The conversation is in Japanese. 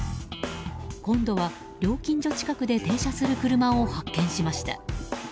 今度は料金所近くで停車する車を発見しました。